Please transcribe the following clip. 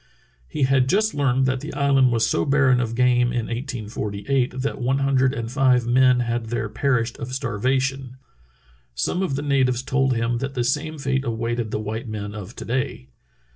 He had just learned that the island was so barren of game in 1848 that one hundred and five men had there perished of starvation. Some of the natives told him that the same fate awaited the white men of to day.